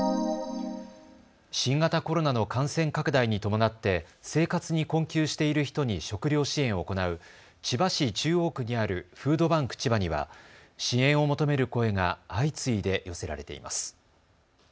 新型コロナの感染拡大に伴って生活に困窮している人に食料支援を行う千葉市中央区にあるフードバンクちばには支援を求める声が相次いで寄せられています。